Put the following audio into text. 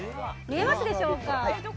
見えますでしょうか。